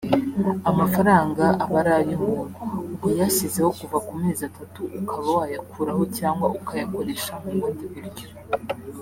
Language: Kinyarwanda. Amafaranga aba ari ay'umuntu uba uyashyizeho kuva ku mezi atatu ukaba wayakuraho cyangwa ukayakoresha mu bundi buryo